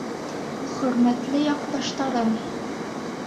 Хөрмәтле яҡташтарым!